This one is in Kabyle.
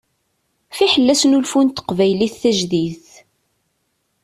Fiḥel asnulfu n teqbaylit tajdidt.